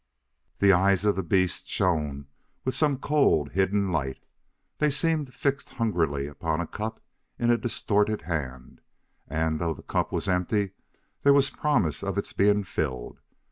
The eyes of the beast shone with some cold, hidden light. They seemed fixed hungrily upon a cup in a distorted hand, and, though the cup was empty, there was promise of its being filled.